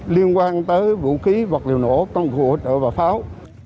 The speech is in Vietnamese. liên quan tới vũ khí vật liệu nổ công cụ hỗ trợ và pháo